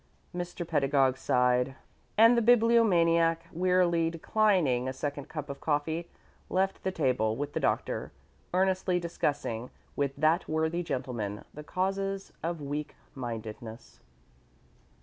Mr. Pedagog sighed, and the Bibliomaniac, wearily declining a second cup of coffee, left the table with the Doctor, earnestly discussing with that worthy gentleman the causes of weakmindedness.